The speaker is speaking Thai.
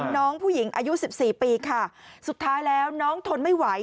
น้องผู้หญิงอายุสิบสี่ปีค่ะสุดท้ายแล้วน้องทนไม่ไหว